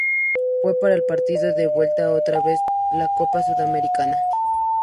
Fue para el partido de vuelta, otra vez por la Copa Sudamericana.